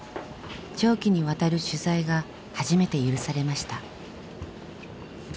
長期にわたる取材が初めて許されました。